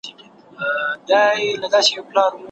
که حرکت وي نو نڅا نه سړه کیږي.